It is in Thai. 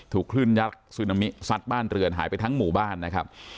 คลื่นยักษ์ซึนามิซัดบ้านเรือนหายไปทั้งหมู่บ้านนะครับ